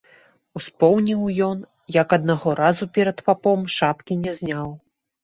Успомніў ён, як аднаго разу перад папом шапкі не зняў.